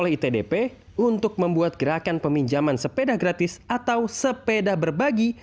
oleh itdp untuk membuat gerakan peminjaman sepeda gratis atau sepeda berbagi